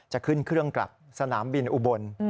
จะขึ้นเครื่องกลับสนามบินอุบล